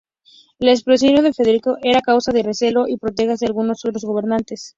El expansionismo de Federico era causa de recelo y protesta de algunos otros gobernantes.